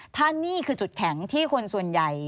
ถ้านี่คือจุดแข็งที่คนส่วนใหญ่